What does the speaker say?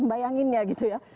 bayangin ya gitu ya